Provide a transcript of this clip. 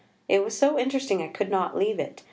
"It was so interesting I could not leave it.